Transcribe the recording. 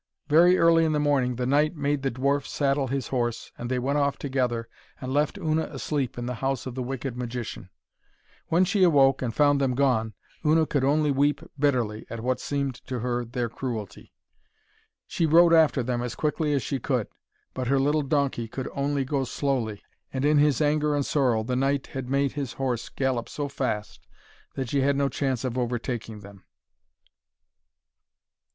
Very early in the morning the knight made the dwarf saddle his horse, and they went off together and left Una asleep in the house of the wicked magician. When she awoke and found them gone, Una could only weep bitterly at what seemed to her their cruelty. She rode after them as quickly as she could, but her little donkey could only go slowly, and in his anger and sorrow the knight had made his horse gallop so fast that she had no chance of overtaking them.